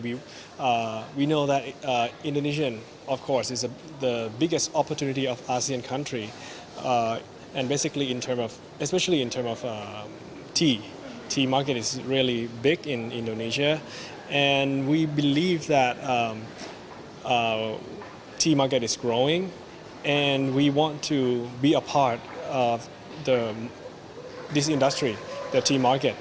pemasan teh di indonesia sangat besar dan kami percaya bahwa pemasan teh berkembang dan kami ingin menjadi bagian dari industri ini